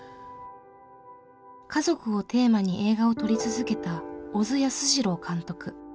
家族をテーマに映画を撮り続けた小津安二郎監督。